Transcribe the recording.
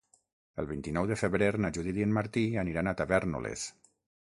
El vint-i-nou de febrer na Judit i en Martí aniran a Tavèrnoles.